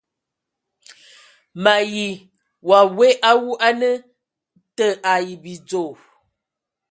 Me ayi wa we awu a na te ai bidzo !